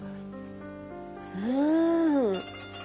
うん。